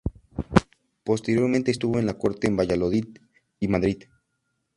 Posteriormente estuvo en la corte en Valladolid y Madrid.